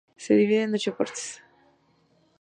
Se divide en ocho partes.